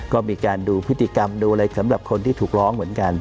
ก็มีการดูพฤติกรรมดูอะไรสำหรับคนที่ถูกร้องเหมือนกัน